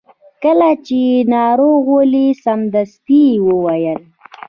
کله چې یې ناروغ ولید سمدستي یې وویل.